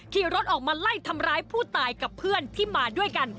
ขี่รถออกมาไล่ทำร้ายผู้ตายกับเพื่อนที่มาด้วยกัน